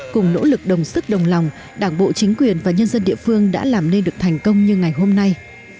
cùng nỗ lực đồng sức đồng lòng đảng bộ chính quyền và nhân dân địa phương đã làm nên được thành công như ngày hôm nay